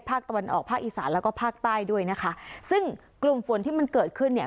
ภาคตะวันออกภาคอีสานแล้วก็ภาคใต้ด้วยนะคะซึ่งกลุ่มฝนที่มันเกิดขึ้นเนี่ย